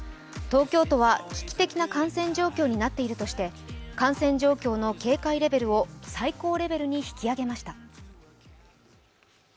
東京都は危機的な感染状況になっているとして感染状況の警戒レベルを最高レベルに引き上げました。